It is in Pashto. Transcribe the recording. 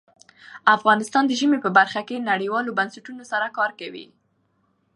افغانستان د ژمی په برخه کې نړیوالو بنسټونو سره کار کوي.